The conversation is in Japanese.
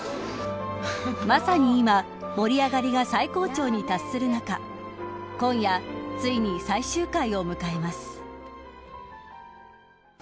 まさに今盛り上がりが最高潮に達する中今夜、ついに最終回を迎えます。